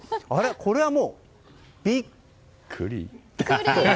これはもうびっくり！